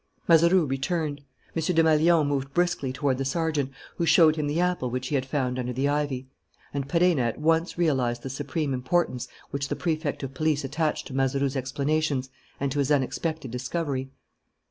Mazeroux returned. M. Desmalions moved briskly toward the sergeant, who showed him the apple which he had found under the ivy. And Perenna at once realized the supreme importance which the Prefect of Police attached to Mazeroux's explanations and to his unexpected discovery.